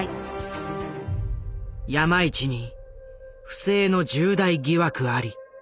山一に不正の重大疑惑あり。